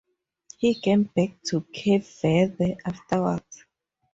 He came back to Cape Verde afterwards.